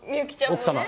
奥様